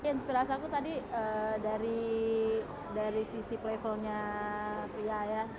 inspirasi aku tadi dari sisi playful nya pria ya